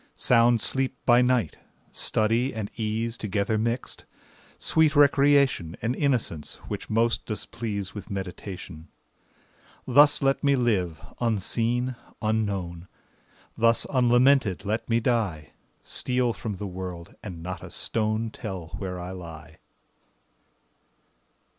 Sound sleep by night; study and ease Together mixed; sweet recreation, And innocence, which most does please With meditation. Thus let me live, unseen, unknown; Thus unlamented let me die; Steal from the world, and not a stone Tell where I lie.